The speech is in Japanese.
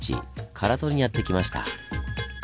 唐戸にやって来ました。